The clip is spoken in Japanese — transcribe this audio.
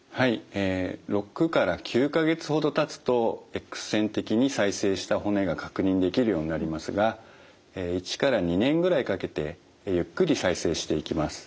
え６９か月ほどたつとＸ線的に再生した骨が確認できるようになりますが１２年ぐらいかけてゆっくり再生していきます。